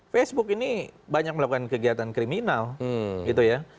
facebook ini banyak melakukan kegiatan kriminal gitu ya